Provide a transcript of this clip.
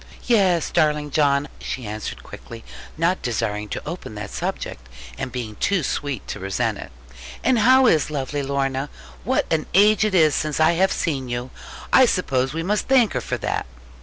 'Yes, darling John,' she answered quickly, not desiring to open that subject, and being too sweet to resent it: 'and how is lovely Lorna? What an age it is since I have seen you! I suppose we must thank her for that.'